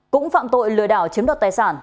cũng phạm tội lừa đảo chiếm đoạt tài sản